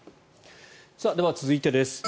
では続いてです。